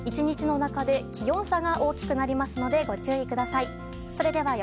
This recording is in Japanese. １日の中で気温差が大きくなりますのでご注意ください。